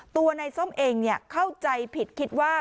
ตัวนายส้มเองเข้าใจผิดคิดว่า